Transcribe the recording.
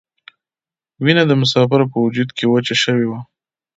وینه د مسافرو په وجود کې وچه شوې وه.